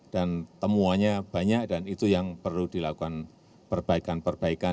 temuannya banyak dan itu yang perlu dilakukan perbaikan perbaikan